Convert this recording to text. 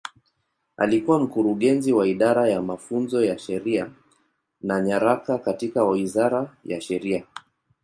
Alikuwa Mkurugenzi wa Idara ya Mafunzo ya Sheria na Nyaraka katika Wizara ya Sheria.